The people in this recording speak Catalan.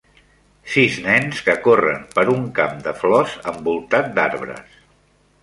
Sis nens que corren per un camp de flors envoltat d'arbres.